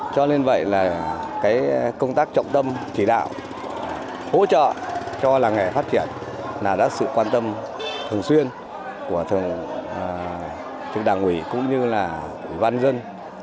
cho nên vậy là công tác trọng tâm chỉ đạo hỗ trợ cho làng nghề phát triển là sự quan tâm thường xuyên của đảng ủy cũng như là ủy văn dân